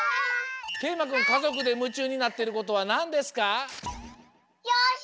けいまくんかぞくでむちゅうになってることはなんですか？